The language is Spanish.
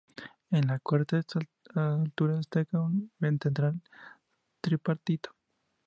En la cuarta altura destaca un ventanal tripartito.